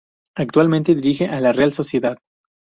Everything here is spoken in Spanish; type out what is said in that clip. Actualmente dirige al Real Sociedad.